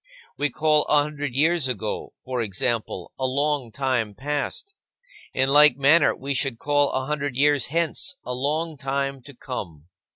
We call a hundred years ago, for example, a long time past. In like manner, we should call a hundred years hence a long time to come.